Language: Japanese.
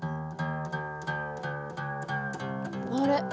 あれ？